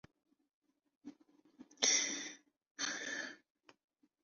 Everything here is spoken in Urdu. مگر ان بیٹسمینوں پر تنقید کرنے کے بجائے